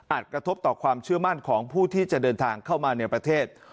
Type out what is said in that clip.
กระทบต่อความเชื่อมั่นของผู้ที่จะเดินทางเข้ามาในประเทศ